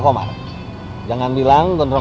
karena mensen yang licik dan mau berikan